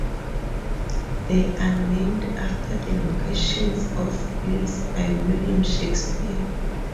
They are named after the locations of plays by William Shakespeare.